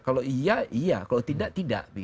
kalau iya iya kalau tidak tidak